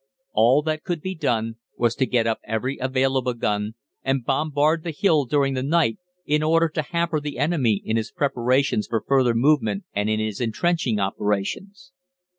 All that could be done was to get up every available gun and bombard the hill during the night in order to hamper the enemy in his preparations for further forward movement and in his entrenching operations.